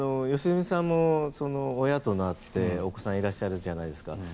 良純さんも親となってお子さんいらっしゃるじゃないですか。